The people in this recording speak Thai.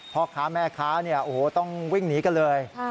พ่อค้าแม่ค้าต้องวิ่งหนีกันเลย